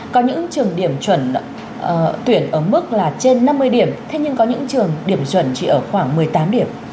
có những trường điểm chuẩn tuyển ở mức là trên năm mươi điểm thế nhưng có những trường điểm chuẩn chỉ ở khoảng một mươi tám điểm